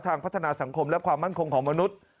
พัฒนาสังคมและความมั่นคงของมนุษย์